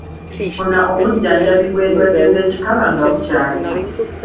Funa obujjanjabi bw’endwadde z’ekikaba nga bukyali.